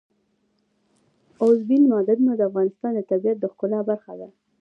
اوبزین معدنونه د افغانستان د طبیعت د ښکلا برخه ده.